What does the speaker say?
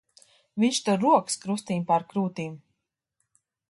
Viņš tur rokas krustīm pār krūtīm.